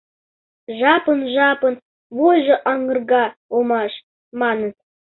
Жапын-жапын вуйжо аҥырга улмаш, маныт.